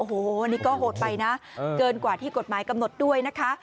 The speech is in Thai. โอ้โหนี่ก็โหดไปนะเกินกว่าที่กฎหมายกำหนดด้วยนะคะ